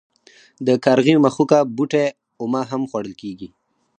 د کارغي مښوکه بوټی اومه هم خوړل کیږي.